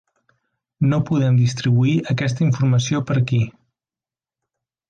No podem distribuir aquesta informació per aquí.